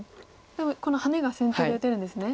でもこのハネが先手で打てるんですね。